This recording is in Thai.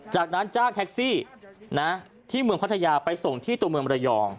จากนั้นจ้างแท็กซี่ที่เมืองพัทยาไปส่งที่ตัวเมืองระยอง